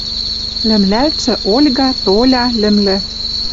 Лӹмлӓлтшӹ Ольга, Толя лӹмлӹ